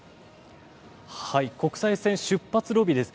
国際線出発ロビーです。